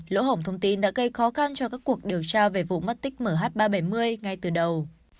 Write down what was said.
lỗ hổng thông tin đã gây khó khăn cho các cuộc điều tra về vụ mất tích mh ba trăm bảy mươi ngay từ đầu